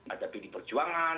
ada bd perjuangan